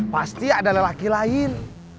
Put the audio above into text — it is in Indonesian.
pasti ada lelaki lain